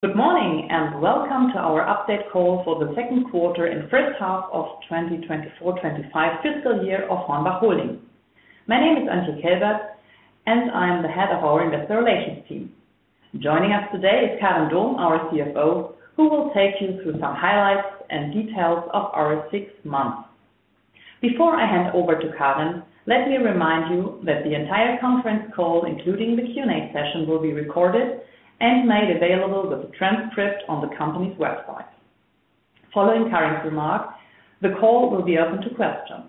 Good morning, and welcome to our update call for the Q2 and H2 of 2024, twenty-five fiscal year of HORNBACH Holding. My name is Antje Kelbert, and I'm the Head of our Investor Relations team. Joining us today is Karin Dohm, our CFO, who will take you through some highlights and details of our six months. Before I hand over to Karin, let me remind you that the entire conference call, including the Q&A session, will be recorded and made available with a transcript on the company's website. Following Karin's remarks, the call will be open to questions.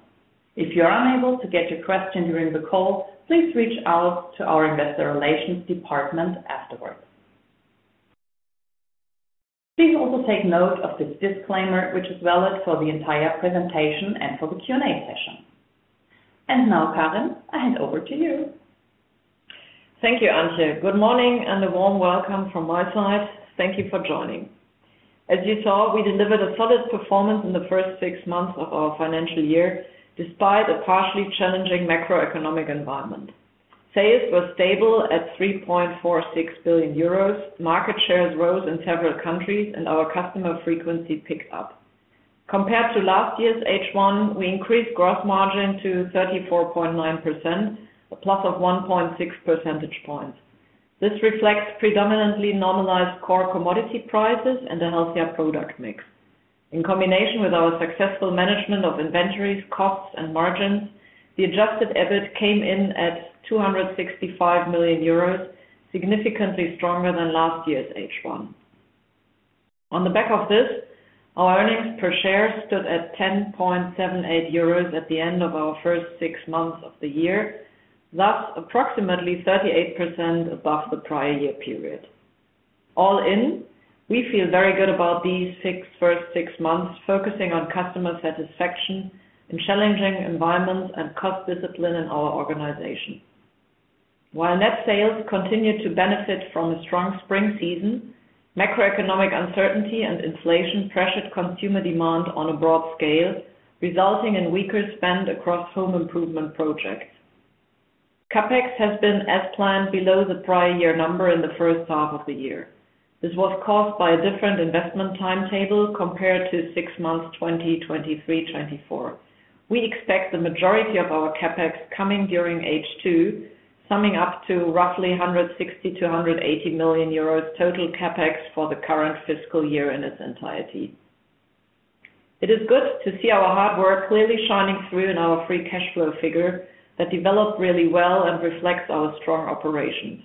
If you are unable to get your question during the call, please reach out to our investor relations department afterwards. Please also take note of this disclaimer, which is valid for the entire presentation and for the Q&A session. And now, Karin, I hand over to you. Thank you, Antje. Good morning, and a warm welcome from my side. Thank you for joining. As you saw, we delivered a solid performance in the first six months of our financial year, despite a partially challenging macroeconomic environment. Sales were stable at 3.46 billion euros. Market shares rose in several countries, and our customer frequency picked up. Compared to last year's H1, we increased gross margin to 34.9%, a plus of 1.6 percentage points. This reflects predominantly normalized core commodity prices and a healthier product mix. In combination with our successful management of inventories, costs, and margins, the adjusted EBIT came in at 265 million euros, significantly stronger than last year's H1. On the back of this, our earnings per share stood at 10.78 euros at the end of our first six months of the year, that's approximately 38% above the prior year period. All in, we feel very good about these first six months, focusing on customer satisfaction in challenging environments and cost discipline in our organization. While net sales continued to benefit from a strong spring season, macroeconomic uncertainty and inflation pressured consumer demand on a broad scale, resulting in weaker spend across home improvement projects. CapEx has been as planned below the prior year number in the H1 of the year. This was caused by a different investment timetable compared to six months, 2023, 2024. We expect the majority of our CapEx coming during H2, summing up to roughly 160-180 million euros total CapEx for the current fiscal year in its entirety. It is good to see our hard work clearly shining through in our free cash flow figure, that developed really well and reflects our strong operations.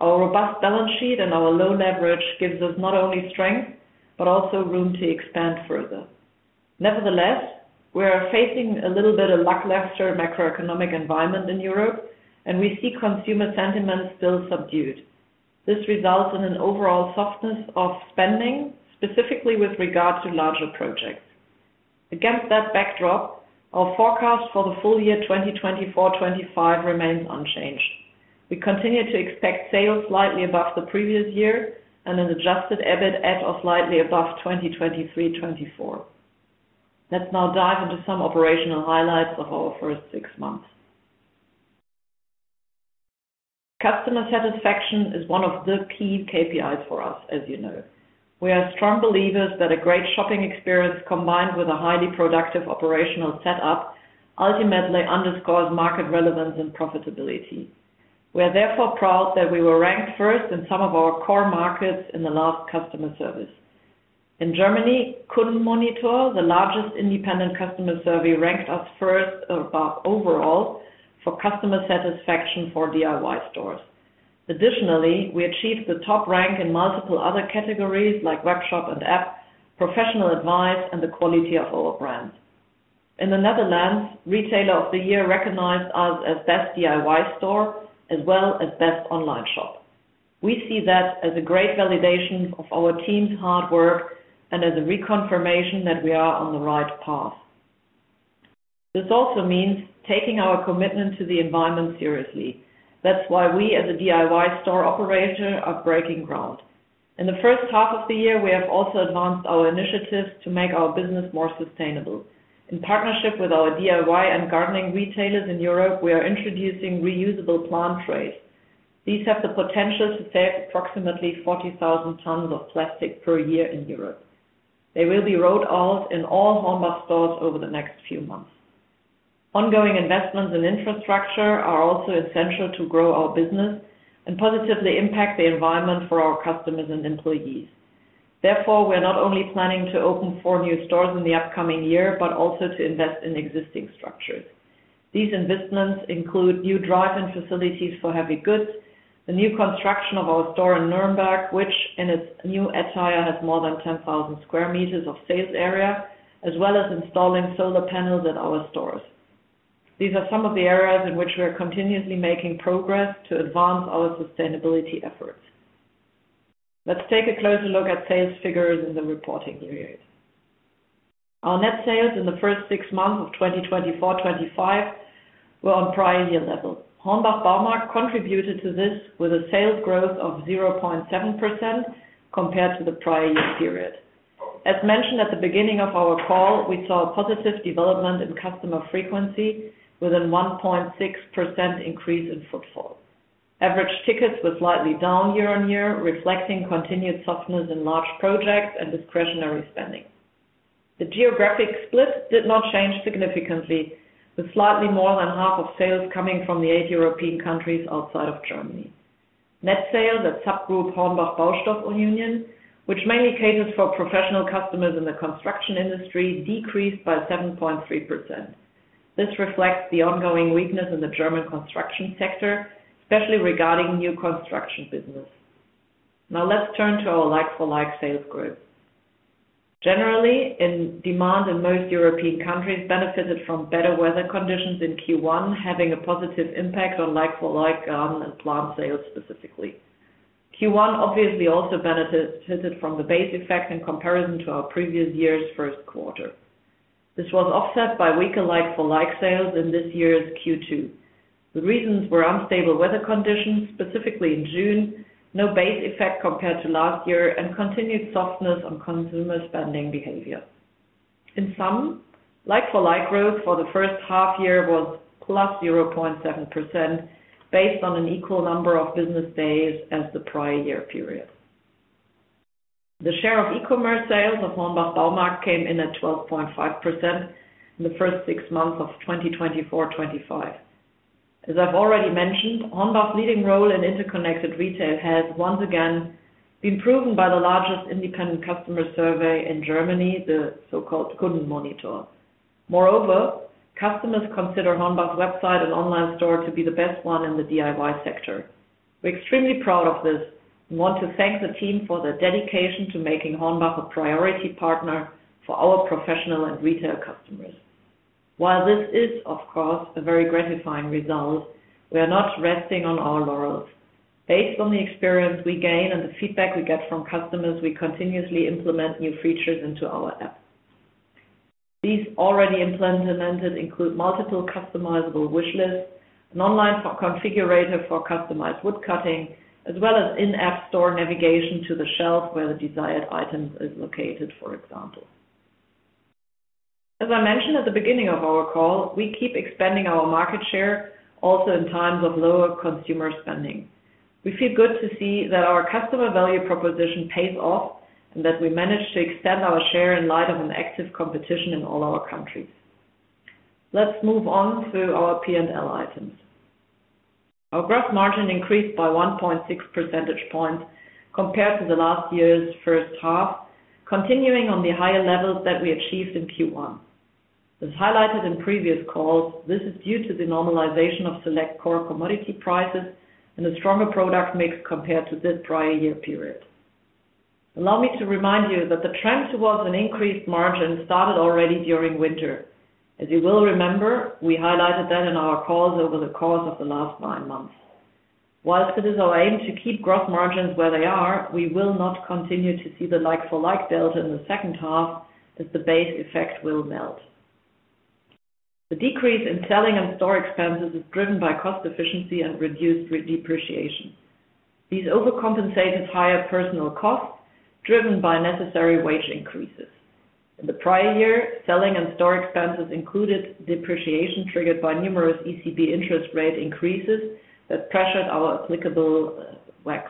Our robust balance sheet and our low leverage gives us not only strength, but also room to expand further. Nevertheless, we are facing a little bit of lackluster macroeconomic environment in Europe, and we see consumer sentiment still subdued. This results in an overall softness of spending, specifically with regard to larger projects. Against that backdrop, our forecast for the full year 2024, 2025 remains unchanged. We continue to expect sales slightly above the previous year and an adjusted EBIT at or slightly above twenty 2023-'24 Let's now dive into some operational highlights of our first six months. Customer satisfaction is one of the key KPIs for us, as you know. We are strong believers that a great shopping experience, combined with a highly productive operational setup, ultimately underscores market relevance and profitability. We are therefore proud that we were ranked first in some of our core markets in the last customer service. In Germany, Kundenmonitor, the largest independent customer survey, ranked us first above overall for customer satisfaction for DIY stores. Additionally, we achieved the top rank in multiple other categories like webshop and app, professional advice, and the quality of our brands. In the Netherlands, Retailer of the Year recognized us as Best DIY Store, as well as Best Online Shop. We see that as a great validation of our team's hard work and as a reconfirmation that we are on the right path. This also means taking our commitment to the environment seriously. That's why we, as a DIY store operator, are breaking ground. In the H2 of the year, we have also advanced our initiatives to make our business more sustainable. In partnership with our DIY and gardening retailers in Europe, we are introducing reusable plant trays. These have the potential to save approximately 40,000 tons of plastic per year in Europe. They will be rolled out in all HORNBACH stores over the next few months. Ongoing investments in infrastructure are also essential to grow our business and positively impact the environment for our customers and employees. Therefore, we are not only planning to open four new stores in the upcoming year, but also to invest in existing structures. These investments include new drive-in facilities for heavy goods, the new construction of our store in Nuremberg, which in its new attire has more than 10,000sqm of sales area, as well as installing solar panels at our stores. These are some of the areas in which we are continuously making progress to advance our sustainability efforts. Let's take a closer look at sales figures in the reporting period. Our net sales in the first six months of 2024-2025 were on prior-year level. HORNBACH Baumarkt contributed to this with a sales growth of 0.7% compared to the prior year period. As mentioned at the beginning of our call, we saw a positive development in customer frequency with a 1.6% increase in footfall. Average tickets were slightly down year-on-year, reflecting continued softness in large projects and discretionary spending. The geographic split did not change significantly, with slightly more than half of sales coming from the eight European countries outside of Germany. Net sales at subgroup HORNBACH Baustoff Union, which mainly caters for professional customers in the construction industry, decreased by 7.3%. This reflects the ongoing weakness in the German construction sector, especially regarding new construction business. Now let's turn to our like-for-like sales growth. Generally, demand in most European countries benefited from better weather conditions in Q1, having a positive impact on like-for-like and plant sales specifically. Q1 obviously also benefited from the base effect in comparison to our previous year's first quarter. This was offset by weaker like-for-like sales in this year's Q2. The reasons were unstable weather conditions, specifically in June, no base effect compared to last year, and continued softness on consumer spending behavior. In sum, like-for-like growth for the first half-year was plus 0.7%, based on an equal number of business days as the prior year period. The share of e-commerce sales of HORNBACH Baumarkt came in at 12.5% in the first six months of 2024-25. As I've already mentioned, HORNBACH's leading role in interconnected retail has once again been proven by the largest independent customer survey in Germany, the so-called Kundenmonitor. Moreover, customers consider HORNBACH's website and online store to be the best one in the DIY sector. We're extremely proud of this and want to thank the team for their dedication to making HORNBACH a priority partner for our professional and retail customers. While this is, of course, a very gratifying result, we are not resting on our laurels. Based on the experience we gain and the feedback we get from customers, we continuously implement new features into our app. These already implemented include multiple customizable wish lists, an online configurator for customized wood cutting, as well as in-app store navigation to the shelf where the desired items is located, for example. As I mentioned at the beginning of our call, we keep expanding our market share also in times of lower consumer spending. We feel good to see that our customer value proposition pays off and that we manage to extend our share in light of an active competition in all our countries. Let's move on to our P&L items. Our gross margin increased by 1.6 percentage points compared to the last year's first half, continuing on the higher levels that we achieved in Q1. As highlighted in previous calls, this is due to the normalization of select core commodity prices and a stronger product mix compared to this prior year period. Allow me to remind you that the trend towards an increased margin started already during winter. As you will remember, we highlighted that in our calls over the course of the last nine months. While it is our aim to keep gross margins where they are, we will not continue to see the like-for-like delta in the second half, as the base effect will melt. The decrease in selling and store expenses is driven by cost efficiency and reduced depreciation. These overcompensated higher personal costs, driven by necessary wage increases. In the prior year, selling and store expenses included depreciation triggered by numerous ECB interest rate increases that pressured our applicable WACC.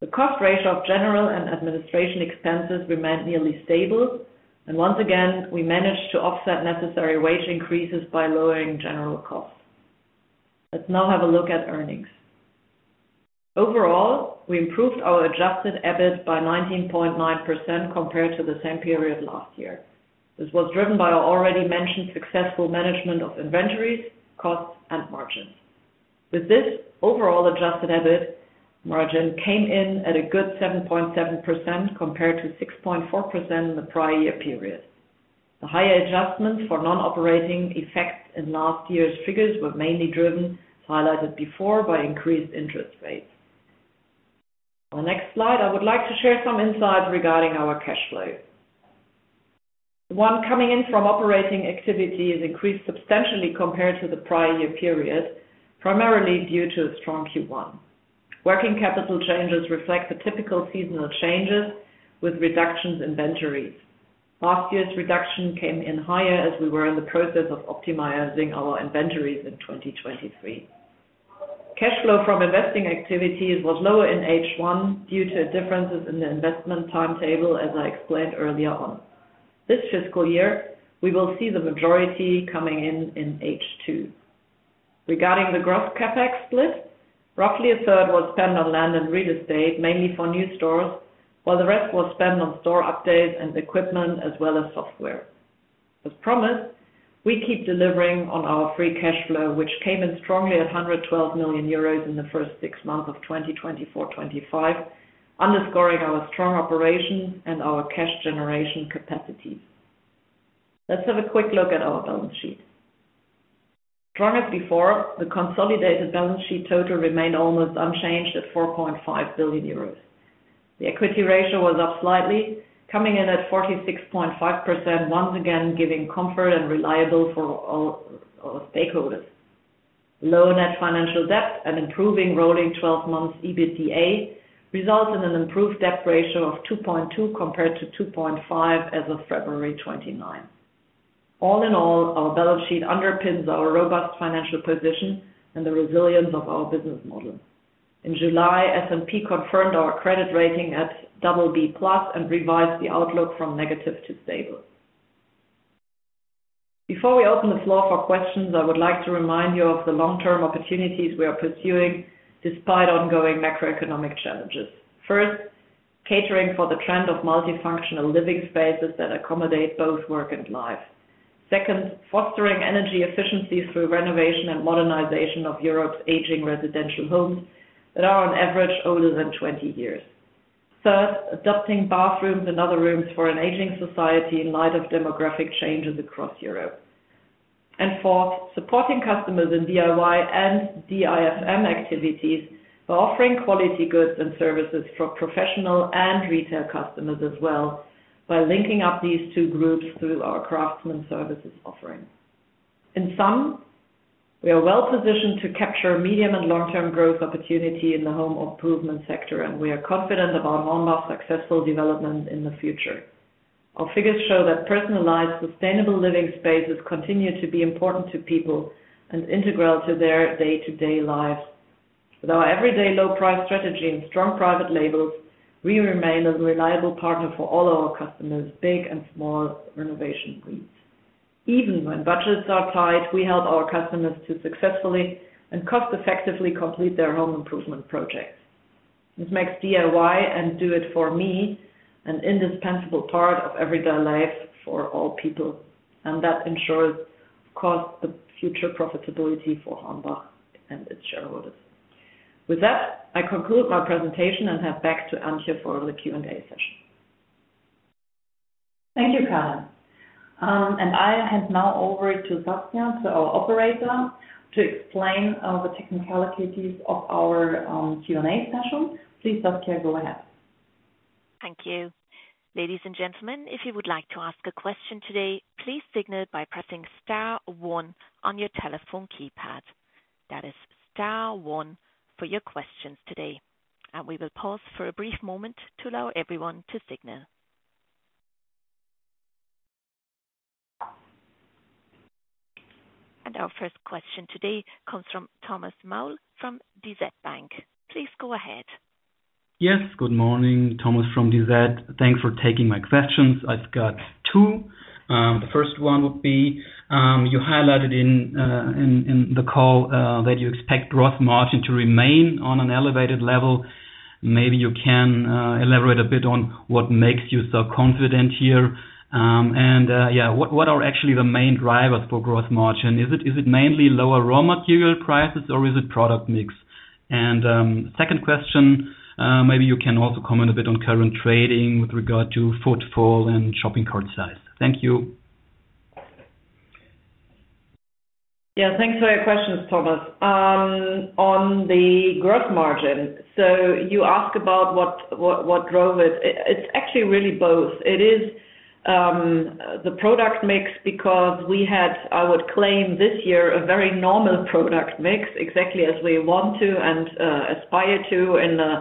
The cost ratio of general and administration expenses remained nearly stable, and once again, we managed to offset necessary wage increases by lowering general costs. Let's now have a look at earnings. Overall, we improved our adjusted EBIT by 19.9% compared to the same period last year. This was driven by our already mentioned successful management of inventories, costs, and margins. With this, overall adjusted EBIT margin came in at a good 7.7%, compared to 6.4% in the prior year period. The higher adjustments for non-operating effects in last year's figures were mainly driven, highlighted before, by increased interest rates. On the next slide, I would like to share some insights regarding our cash flow. One, coming in from operating activities increased substantially compared to the prior year period, primarily due to a strong Q1. Working capital changes reflect the typical seasonal changes with reductions in inventories. Last year's reduction came in higher as we were in the process of optimizing our inventories in 2023. Cash flow from investing activities was lower in H1 due to differences in the investment timetable, as I explained earlier on. This fiscal year, we will see the majority coming in in H2. Regarding the gross CapEx split, roughly a third was spent on land and real estate, mainly for new stores, while the rest was spent on store updates and equipment, as well as software. As promised, we keep delivering on our free cash flow, which came in strongly at 112 million euros in the first six months of 2024-25, underscoring our strong operation and our cash generation capacities. Let's have a quick look at our balance sheet. Strong as before, the consolidated balance sheet total remained almost unchanged at 4.5 billion euros. The equity ratio was up slightly, coming in at 46.5%, once again, giving comfort and reliable for all, all stakeholders. Low net financial debt and improving rolling 12 months, EBITDA, results in an improved debt ratio of 2.2, compared to 2.5 as of February 29. All in all, our balance sheet underpins our robust financial position and the resilience of our business model. In July, S&P confirmed our credit rating at BB+ and revised the outlook from negative to stable. Before we open the floor for questions, I would like to remind you of the long-term opportunities we are pursuing despite ongoing macroeconomic challenges. First, catering for the trend of multifunctional living spaces that accommodate both work and life. Second, fostering energy efficiency through renovation and modernization of Europe's aging residential homes that are, on average, older than twenty years. Third, adapting bathrooms and other rooms for an aging society in light of demographic changes across Europe. And fourth, supporting customers in DIY and DIFM activities by offering quality goods and services for professional and retail customers as well, by linking up these two groups through our craftsman services offering. In sum, we are well positioned to capture medium and long-term growth opportunity in the home improvement sector, and we are confident of our long-lasting successful development in the future. Our figures show that personalized, sustainable living spaces continue to be important to people and integral to their day-to-day lives. With our everyday low price strategy and strong private labels, we remain a reliable partner for all our customers, big and small renovation needs. Even when budgets are tight, we help our customers to successfully and cost effectively complete their home improvement projects. This makes DIY and do it for me an indispensable part of everyday life for all people, and that ensures, of course, the future profitability for HORNBACH and its shareholders. With that, I conclude my presentation and hand back to Antje for the Q&A session. Thank you, Karin. And I hand now over to Satya to our operator, to explain the technicalities of our Q&A session. Please Satya, go ahead. Thank you. Ladies and gentlemen, if you would like to ask a question today, please signal it by pressing star one on your telephone keypad. That is star one for your questions today, and we will pause for a brief moment to allow everyone to signal. Our first question today comes from Thomas Maul from DZ Bank. Please go ahead. Yes, good morning. Thomas from DZ. Thanks for taking my questions. I've got two. The first one would be, you highlighted in the call that you expect gross margin to remain on an elevated level. Maybe you can elaborate a bit on what makes you so confident here. And, yeah, what are actually the main drivers for gross margin? Is it mainly lower raw material prices or is it product mix? And, second question, maybe you can also comment a bit on current trading with regard to footfall and shopping cart size. Thank you. Yeah, thanks for your questions, Thomas. On the gross margin, so you ask about what drove it. It's actually really both. It is the product mix, because we had, I would claim this year, a very normal product mix, exactly as we want to and aspire to in the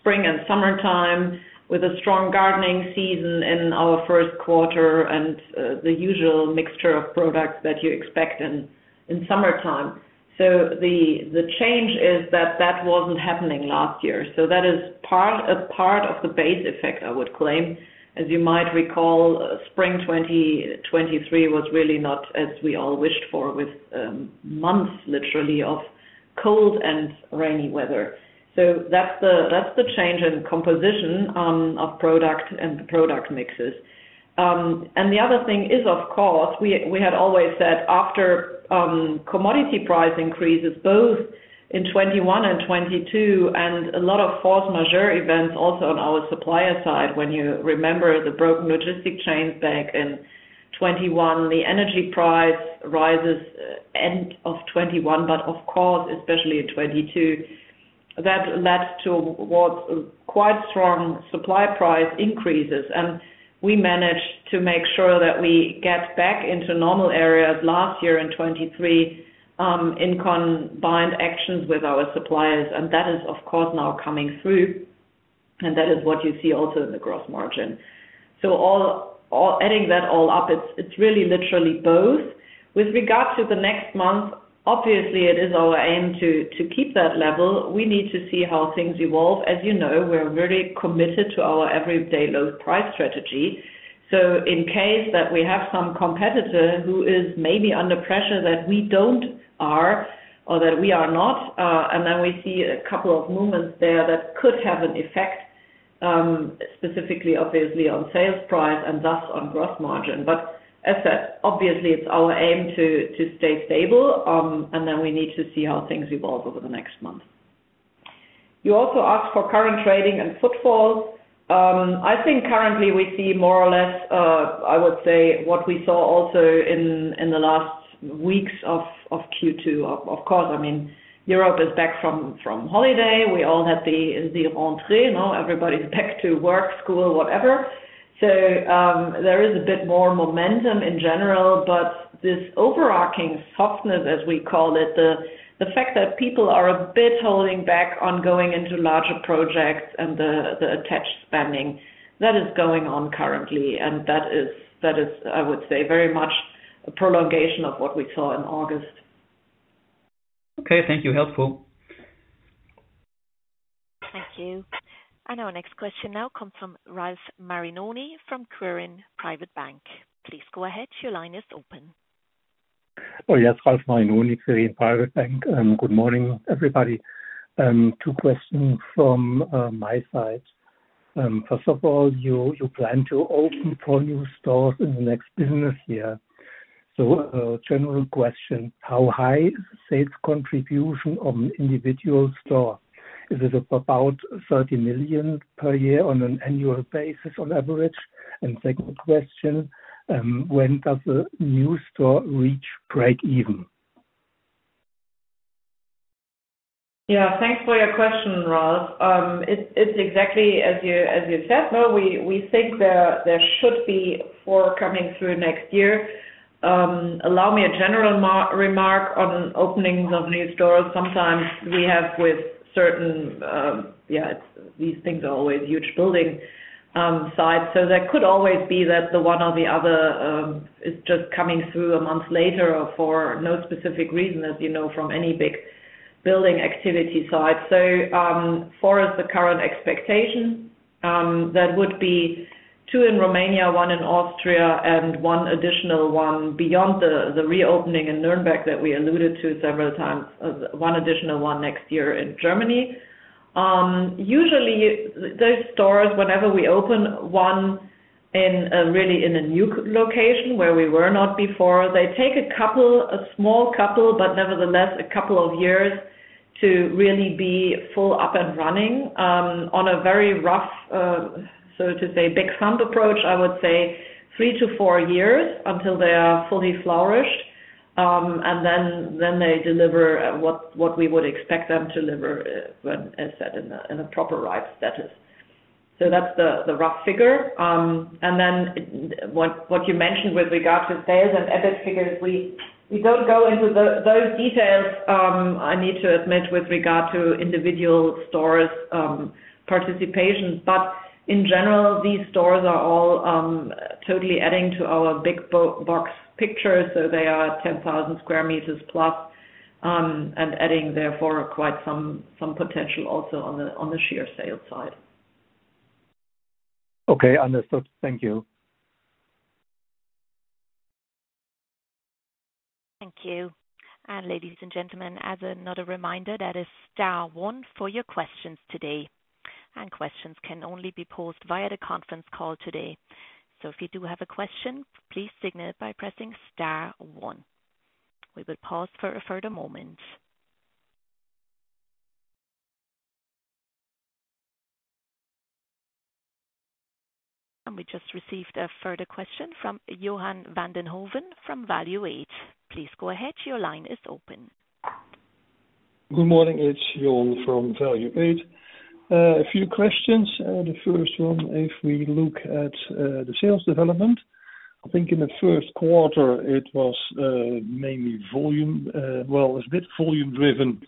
spring and summertime, with a strong gardening season in our first quarter, and the usual mixture of products that you expect in summertime. So the change is that wasn't happening last year, so that is part of the base effect, I would claim. As you might recall, spring 2023 was really not as we all wished for, with months, literally, of cold and rainy weather. So that's the change in composition of product and product mixes. And the other thing is, of course, we had always said after commodity price increases, both in 2021 and 2022, and a lot of force majeure events also on our supplier side, when you remember the broken logistic chains back in 2021, the energy price rises end of 2021, but of course, especially in 2022. That led to quite strong supply price increases, and we managed to make sure that we get back into normal areas last year in 2023, in combined actions with our suppliers. And that is, of course, now coming through, and that is what you see also in the gross margin. So, adding that all up, it's really literally both. With regards to the next month, obviously, it is our aim to keep that level. We need to see how things evolve. As you know, we're very committed to our everyday low price strategy, so in case that we have some competitor who is maybe under pressure that we don't are, or that we are not, and then we see a couple of movements there that could have an effect, specifically, obviously, on sales price and thus on gross margin, but as said, obviously, it's our aim to, to stay stable, and then we need to see how things evolve over the next month. You also asked for current trading and footfall. I think currently we see more or less, I would say, what we saw also in the last weeks of Q2. Of course, I mean, Europe is back from holiday. We all had the, now everybody's back to work, school, whatever. There is a bit more momentum in general, but this overarching softness, as we call it, the fact that people are a bit holding back on going into larger projects and the attached spending that is going on currently, and that is, I would say, very much a prolongation of what we saw in August. Okay, thank you. Helpful. Thank you. Our next question now comes from Ralf Marinoni from Quirin Private Bank. Please go ahead. Your line is open. Oh, yes, Ralph Marinoni, Quirin Private Bank. Good morning, everybody. Two questions from my side. First of all, you plan to open four new stores in the next business year. So, a general question: how high is sales contribution on individual store? Is it about 30 million per year on an annual basis on average? And second question, when does the new store reach break even? Yeah, thanks for your question, Ralph. It's exactly as you said, well, we think there should be four coming through next year. Allow me a general remark on openings of new stores. Sometimes we have with certain these things are always huge building sites, so there could always be that the one or the other is just coming through a month later or for no specific reason, as you know, from any big building activity side. So, for us, the current expectation that would be two in Romania, one in Austria, and one additional one beyond the reopening in Nuremberg that we alluded to several times, one additional one next year in Germany. Usually those stores, whenever we open one in a really, in a new location where we were not before, they take a couple, a small couple, but nevertheless a couple of years to really be full up and running. On a very rough, so to say, big thumb approach, I would say three to four years until they are fully flourished. And then, then they deliver, what we would expect them to deliver, when as said, in a proper right status. So that's the rough figure. And then what you mentioned with regard to sales and EBIT figures, we don't go into those details, I need to admit, with regard to individual stores, participation. But in general, these stores are all totally adding to our big box picture, so they are 10,000sqm plus, and adding therefore quite some potential also on the sheer sales side. Okay, understood. Thank you. Thank you. And ladies and gentlemen, as another reminder, that is star one for your questions today. And questions can only be posed via the conference call today. So if you do have a question, please signal it by pressing star one. We will pause for a further moment. And we just received a further question from Johan Van Den Hooven from Value8. Please go ahead. Your line is open. Good morning, it's Johan from Value8. A few questions. The first one, if we look at the sales development, I think in the first quarter it was mainly volume. Well, it's a bit volume driven,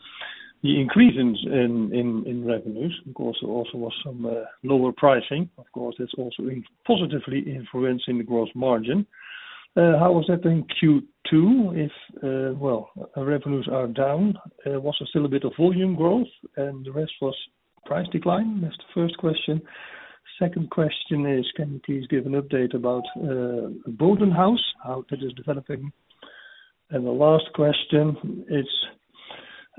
the increase in revenues, of course, there also was some lower pricing. Of course, it's also positively influencing the gross margin. How was that in Q2? If revenues are down, well, was there still a bit of volume growth, and the rest was price decline? That's the first question. Second question is, can you please give an update about Bodenhaus, how it is developing? And the last question is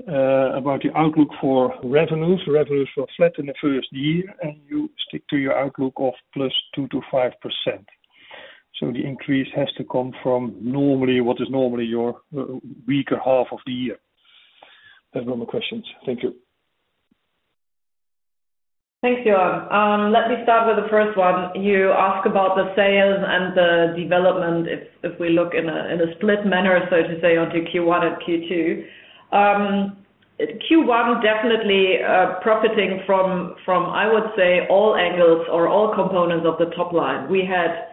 about the outlook for revenues. Revenues were flat in the first year, and you stick to your outlook of +2% to 5%. So the increase has to come from normally, what is normally your weaker half of the year. There's no more questions. Thank you. Thanks, Johan. Let me start with the first one. You ask about the sales and the development if we look in a split manner, so to say, onto Q1 and Q2. Q1, definitely, profiting from, I would say, all angles or all components of the top line. We had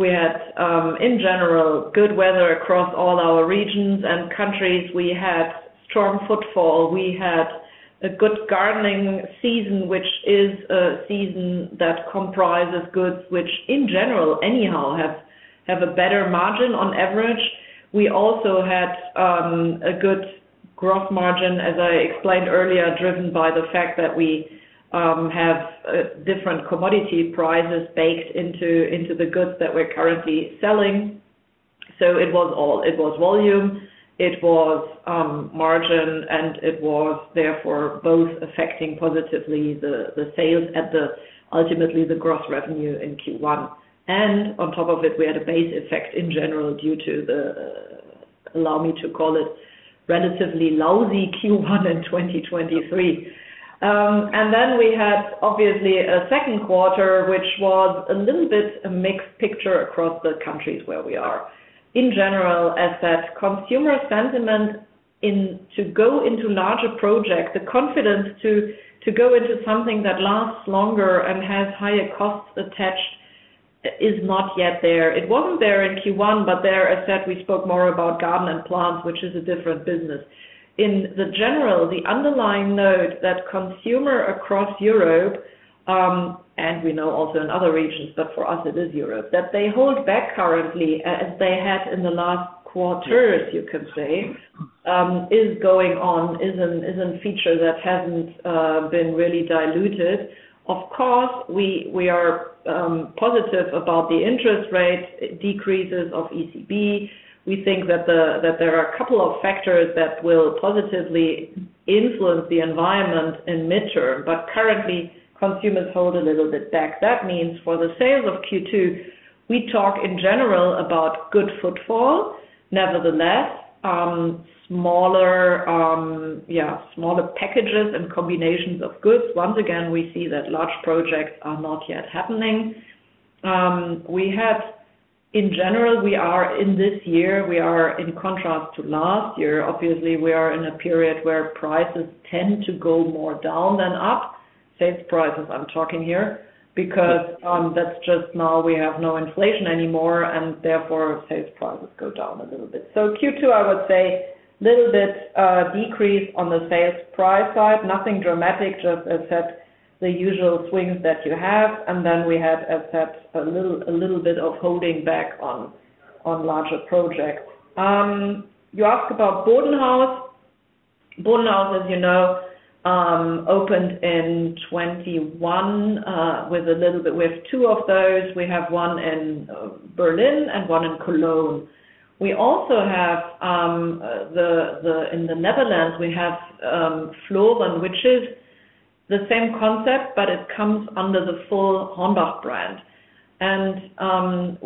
in general good weather across all our regions and countries. We had strong footfall. We had a good gardening season, which is a season that comprises goods, which in general have a better margin on average. We also had a good gross margin, as I explained earlier, driven by the fact that we have different commodity prices baked into the goods that we're currently selling. It was all, it was volume, it was margin, and it was therefore both affecting positively the sales, ultimately the gross revenue in Q1. On top of it, we had a base effect in general due to, allow me to call it relatively lousy Q1 in 2023. Then we had obviously a second quarter, which was a little bit a mixed picture across the countries where we are. In general, as the consumer sentiment to go into larger projects, the confidence to go into something that lasts longer and has higher costs attached is not yet there. It wasn't there in Q1, but, as said, we spoke more about garden and plants, which is a different business. In general, the underlying note that consumers across Europe, and we know also in other regions, but for us it is Europe, that they hold back currently, as they had in the last quarters, you could say, is going on, is a feature that hasn't been really diluted. Of course, we are positive about the interest rate decreases of ECB. We think that there are a couple of factors that will positively influence the environment in mid-term, but currently, consumers hold a little bit back. That means for the sales of Q2, we talk in general about good footfall. Nevertheless, smaller packages and combinations of goods. Once again, we see that large projects are not yet happening. In general, we are in this year in contrast to last year. Obviously, we are in a period where prices tend to go more down than up. Sales prices, I'm talking here, because that's just now we have no inflation anymore, and therefore, sales prices go down a little bit. So Q2, I would say, little bit decrease on the sales price side. Nothing dramatic, just as that, the usual swings that you have, and then we had, as said, a little bit of holding back on larger projects. You ask about Bodenhaus. Bodenhaus, as you know, opened in 2021 with a little bit - we have two of those. We have one in Berlin and one in Cologne. We also have, in the Netherlands, we have Vloeren, which is the same concept, but it comes under the full HORNBACH brand.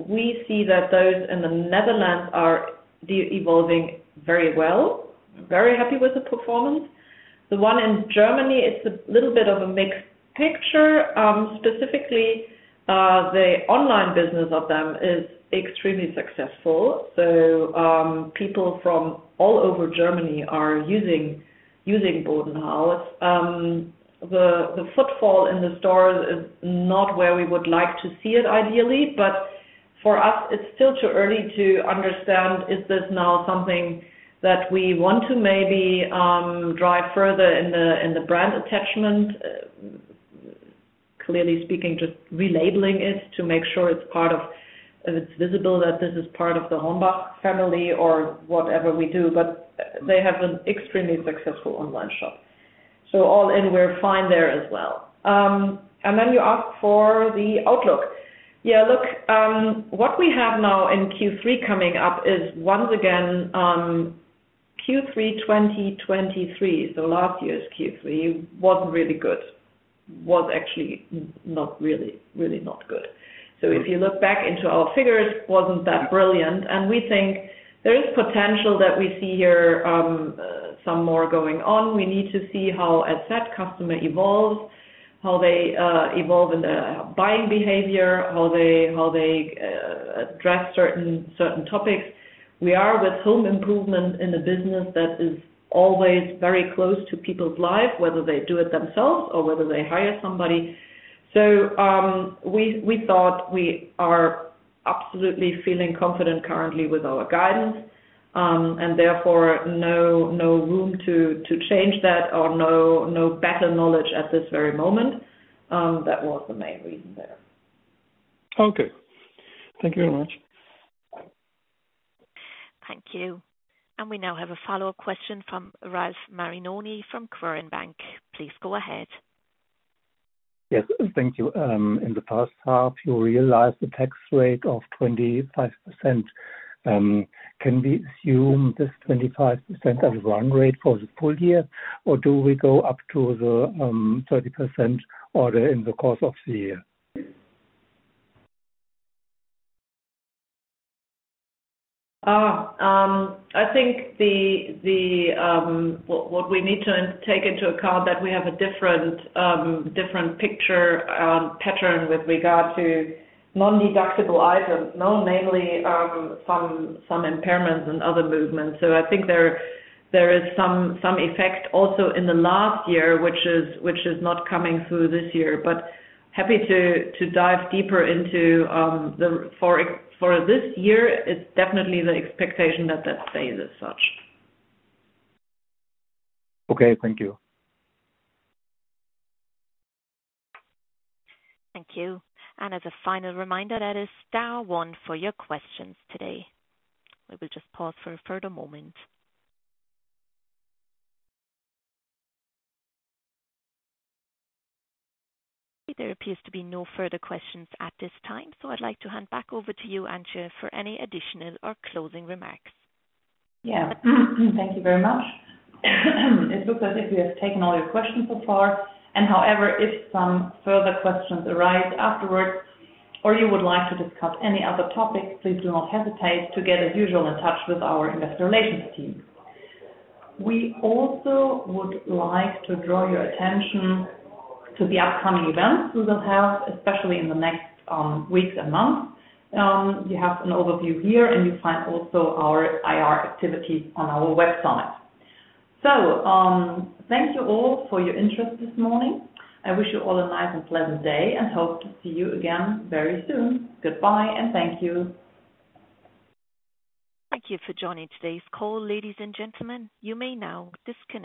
We see that those in the Netherlands are developing very well, very happy with the performance. The one in Germany, it's a little bit of a mixed picture. Specifically, the online business of them is extremely successful. So, people from all over Germany are using Bodenhaus. The footfall in the store is not where we would like to see it, ideally, but for us, it's still too early to understand, is this now something that we want to maybe drive further in the brand attachment? Clearly speaking, just relabeling it to make sure it's part of, it's visible, that this is part of the HORNBACH family or whatever we do, but they have an extremely successful online shop. So all in, we're fine there as well. And then you ask for the outlook. Yeah, look, what we have now in Q3 coming up is once again, Q3 2023, so last year's Q3, wasn't really good. Was actually not really, really not good. So if you look back into our figures, wasn't that brilliant, and we think there is potential that we see here, some more going on. We need to see how, as said, customer evolves, how they evolve in their buying behavior, how they address certain topics. We are with home improvement in a business that is always very close to people's lives, whether they do it themselves or whether they hire somebody. So, we thought we are absolutely feeling confident currently with our guidance, and therefore, no room to change that or no better knowledge at this very moment. That was the main reason there. Okay. Thank you very much. Thank you, and we now have a follow-up question from Ralf Marinoni from Quirin Bank. Please go ahead. Yes, thank you. In the first half, you realized a tax rate of 25%. Can we assume this 25% as one rate for the full year, or do we go up to the 30% order in the course of the year? I think what we need to take into account that we have a different picture pattern with regard to non-deductible items, no? Mainly, some impairments and other movements. So I think there is some effect also in the last year, which is not coming through this year. But happy to dive deeper into for this year, it is definitely the expectation that that stays as such. Okay, thank you. Thank you. And as a final reminder, that is star one for your questions today. We will just pause for a further moment. There appears to be no further questions at this time, so I'd like to hand back over to you, Antje, for any additional or closing remarks. Yeah. Thank you very much. It looks as if we have taken all your questions so far, and however, if some further questions arise afterwards, or you would like to discuss any other topics, please do not hesitate to get, as usual, in touch with our investor relations team. We also would like to draw your attention to the upcoming events we will have, especially in the next weeks and months. You have an overview here, and you find also our IR activities on our website. So, thank you all for your interest this morning. I wish you all a nice and pleasant day, and hope to see you again very soon. Goodbye, and thank you. Thank you for joining today's call, ladies and gentlemen. You may now disconnect.